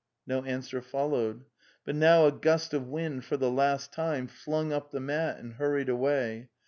No answer followed. But now a gust of wind for the last time flung up the mat and hurried away.